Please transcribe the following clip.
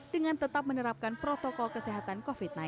dengan tetap menerapkan protokol kesehatan covid sembilan belas